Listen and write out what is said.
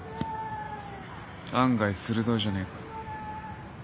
案外鋭いじゃねえか。